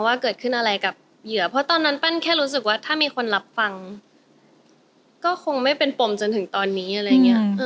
ว่าเกิดขึ้นอะไรกับเหยื่อเพราะตอนนั้นปั้นแค่รู้สึกว่าถ้ามีคนรับฟังก็คงไม่เป็นปมจนถึงตอนนี้อะไรอย่างนี้